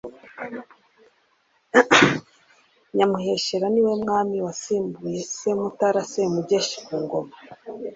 Nyamuheshera niwe Mwami wasimbuye se Mutara Semugeshi ku ngoma